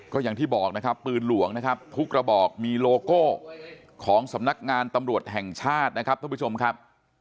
ก็อย่างที่บอกนะครับปืนหลวงนะครับทุกระบอกมีโลโก้ของสำนักงานตำรวจแห่งชาตินะครับท่านผู้ชมครับ